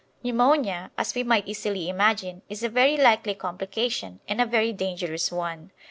Pneumonia, as we might easily imagine, is a very likely complication, and a very dangerous one.